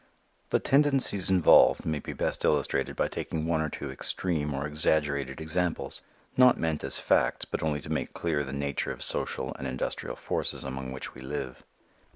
The tendencies involved may be best illustrated by taking one or two extreme or exaggerated examples, not meant as facts but only to make clear the nature of social and industrial forces among which we live.